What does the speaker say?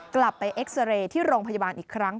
กลับไปเอ็กซาเรย์ที่โรงพยาบาลอีกครั้ง